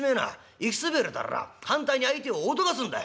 行きそびれたら反対に相手を脅かすんだい」。